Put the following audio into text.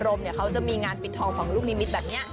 อารมณ์เนี่ยเขาจะมีงานปิดทองของลูกลิมิตแบบเนี้ย